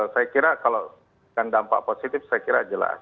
saya kira kalau dampak positif saya kira jelas